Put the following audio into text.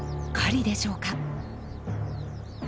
狩りでしょうか？